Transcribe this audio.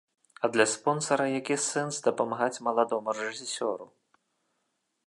А для спонсара які сэнс дапамагаць маладому рэжысёру?